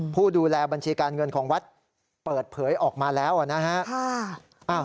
ผู้ดูแลบัญชีการเงินของวัดเปิดเผยออกมาแล้วนะฮะ